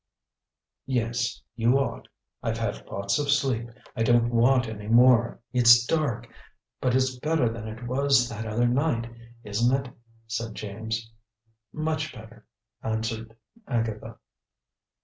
"Yes, you ought. I've had lots of sleep; I don't want any more." "It's dark, but it's better than it was that other night, isn't it?" said James. "Much better," answered Agatha.